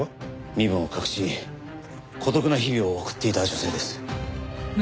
身分を隠し孤独な日々を送っていた女性です。